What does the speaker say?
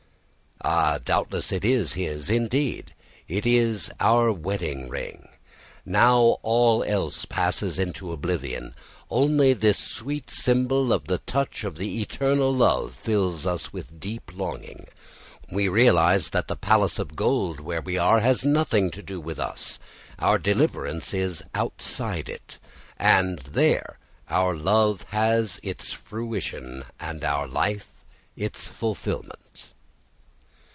Ah, doubtless it is his indeed, it is our wedding ring. Now all else passes into oblivion, only this sweet symbol of the touch of the eternal love fills us with a deep longing. We realise that the palace of gold where we are has nothing to do with us our deliverance is outside it and there our love has its fruition and our life its fulfilment.